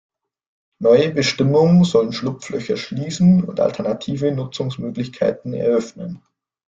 Neue Bestimmungen sollen Schlupflöcher schließen und alternative Nutzungsmöglichkeiten eröffnen.